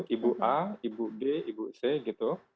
ibu a ibu d ibu c gitu